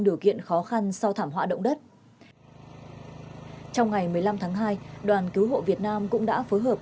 điều kiện khó khăn sau thảm họa động đất trong ngày một mươi năm tháng hai đoàn cứu hộ việt nam cũng đã phối hợp